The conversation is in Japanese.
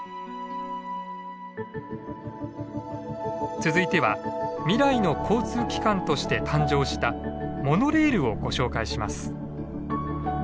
続いては「未来の交通機関」として誕生したモノレールをご紹介します。